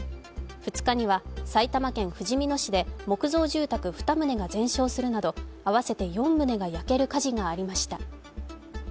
２日には埼玉県ふじみ野市で木造住宅２棟が全焼するなど合わせて４棟が焼ける火事がありました。